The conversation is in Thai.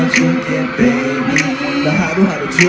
เยี่ยมมาก